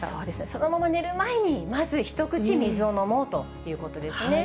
そのまま寝る前に、まず一口、水を飲もうということですね。